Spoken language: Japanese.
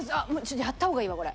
やった方がいいわこれ。